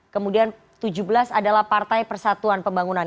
kemudian tujuh belas adalah partai persatuan pembangunan